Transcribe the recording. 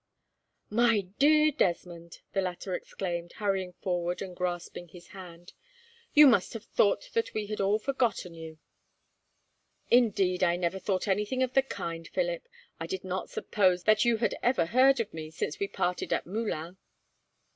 "My dear Desmond," the latter exclaimed, hurrying forward and grasping his hand, "you must have thought that we had all forgotten you." "Indeed, I never thought anything of the kind, Philip. I did not suppose that you had ever heard of me, since we parted at Moulins."